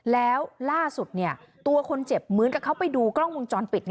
แล้วล่าสุดตัวคนเจ็บเหมือนกับเขาไปดูกล้องวงจรปิด